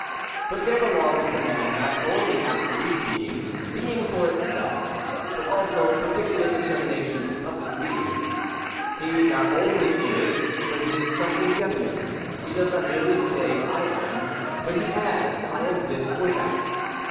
But there belongs to man not only absolute being, — being for itself, — but also particular determinations of this being :— he not only is, but he is something definite; — he does not merely say, — "I am," — but he adds, — "I am this or that."